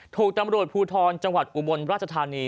โทรตำรดพูทรจอุรราชธานี